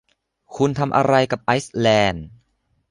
คุณทำอะไรกับไอซ์แลนด์ ?